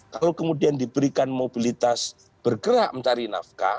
kalau kemudian diberikan mobilitas bergerak mencari nafkah